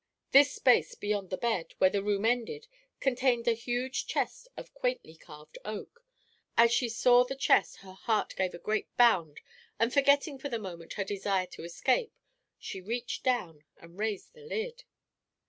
This space beyond the bed, where the room ended, contained a huge chest of quaintly carved oak. As she saw the chest her heart gave a great bound and forgetting for the moment her desire to escape she reached down and raised the lid.